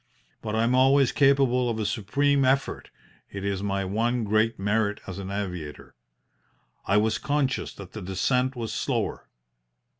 But I am always capable of a supreme effort it is my one great merit as an aviator. I was conscious that the descent was slower.